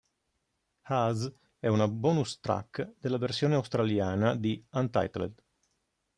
Haze è una bonus track della versione australiana di "Untitled".